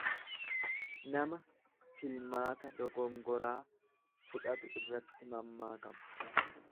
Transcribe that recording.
Nama filmaata dogongoraa fudhatu irratti mammaakama.